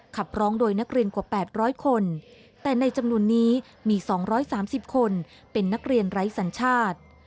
ขับร้องโดยนักเรียนกว่า๘๐๐คนแต่ในจำนวนนี้มี๒๓๐คนเป็นนักเรียนไร้สัญชาติ